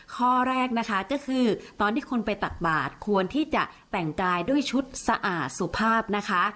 ข้อแรกนะคะก็คือตอนที่คนไปตักบาทควรที่จะแต่งกายด้วยชุดสะอาดสุภาพนะคะ